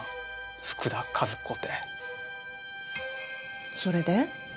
福田和子てそれで？